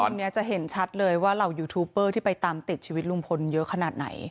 วันนี้จะเห็นชัดเลยว่าเหล่ายูทูปเปอร์ที่ไปตามติดชีวิตลุงพลเยอะขนาดไหน